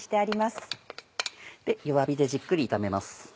弱火でじっくり炒めます。